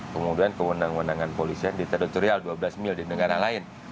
kemudian kewenangan kewenangan polis yang di terdokterial dua belas mil di negara lain